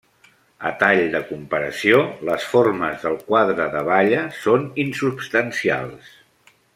A tall de comparació, les formes del quadre de Balla són insubstancials.